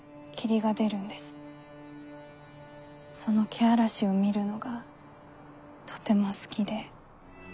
そのけあらしを見るのがとても好きで。